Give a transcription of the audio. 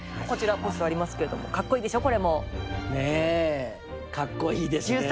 こちらポスターありますけれどもかっこいいでしょこれも。ねえかっこいいですね。